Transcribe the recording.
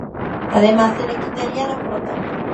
Además, se le quitaría la flota.